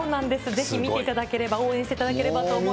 ぜひ見ていただければ、応援していただければと思います。